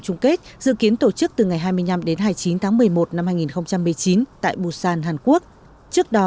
chung kết dự kiến tổ chức từ ngày hai mươi năm đến hai mươi chín tháng một mươi một năm hai nghìn một mươi chín tại busan hàn quốc trước đó